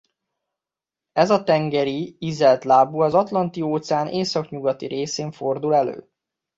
Ez a tengeri ízeltlábú az Atlanti-óceán északnyugati részén fordul elő.